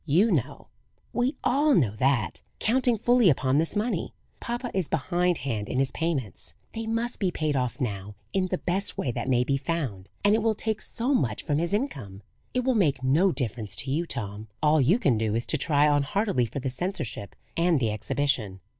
"You know we all know that, counting fully upon this money, papa is behindhand in his payments. They must be paid off now in the best way that may be found: and it will take so much from his income. It will make no difference to you, Tom; all you can do, is to try on heartily for the seniorship and the exhibition."